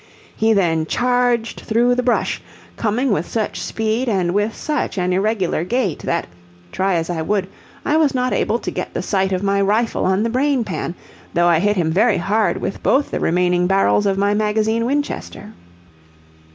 He then charged through the brush, coming with such speed and with such an irregular gait that, try as I would, I was not able to get the sight of my rifle on the brain pan, though I hit him very hard with both the remaining barrels of my magazine Winchester.